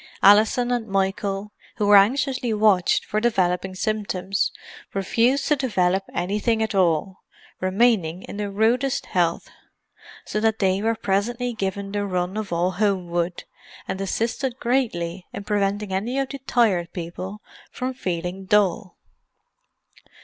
Alison and Michael, who were anxiously watched for developing symptoms, refused to develop anything at all, remaining in the rudest health; so that they were presently given the run of all Homewood, and assisted greatly in preventing any of the Tired People from feeling dull.